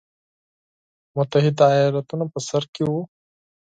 متحده ایالتونه په سر کې وو.